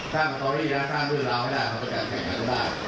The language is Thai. สร้างตัววี่แล้วสร้างมืดราวให้ได้เพื่อประกันแข่งขันได้